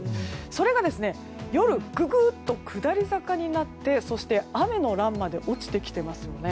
それが夜はググっと下り坂になって雨の欄まで落ちてきていますよね。